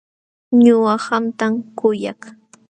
Ñuqa qamtam kuyak.